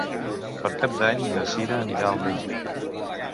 Per Cap d'Any na Sira anirà al metge.